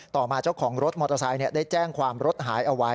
ต่อมาเจ้าของรถมอเตอร์ไซค์ได้แจ้งความรถหายเอาไว้